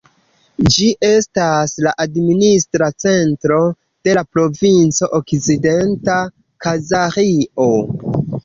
Ĝi estas la administra centro de la provinco Okcidenta Kazaĥio.